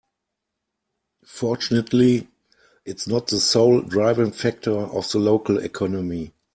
Fortunately its not the sole driving factor of the local economy.